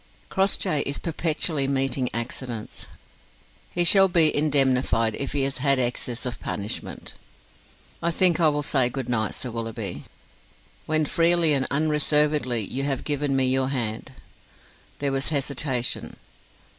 "Crossjay is perpetually meeting accidents." "He shall be indemnified if he has had excess of punishment." "I think I will say good night, Sir Willoughby." "When freely and unreservedly you have given me your hand." There was hesitation.